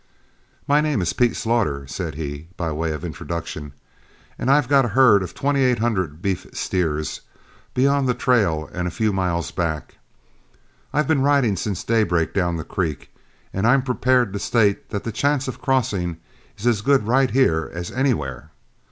"My name is Pete Slaughter," said he, by way of introduction, "and I've got a herd of twenty eight hundred beef steers, beyond the trail and a few miles back. I've been riding since daybreak down the creek, and I'm prepared to state that the chance of crossing is as good right here as anywhere.